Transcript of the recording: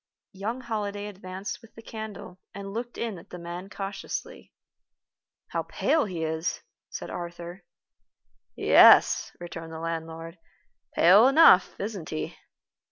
Young Holliday advanced with the candle, and looked in at the man cautiously. "How pale he is," said Arthur. "Yes," returned the landlord, "pale enough, isn't he?"